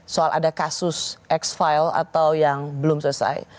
soal ada kasus ex file atau yang belum selesai